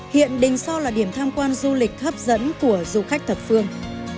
hiện đình so là điểm tham quan du lịch hấp dẫn của du khách thập phương